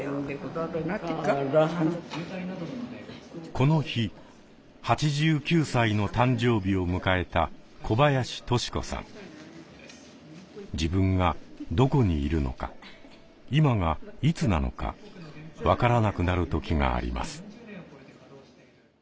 この日８９歳の誕生日を迎えた自分がどこにいるのか今がいつなのか分からなくなる時があります。